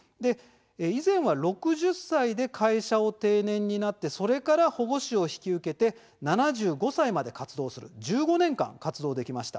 以前は６０歳で会社を定年になってそれから保護司を引き受けて７５歳まで１５年間活動できました。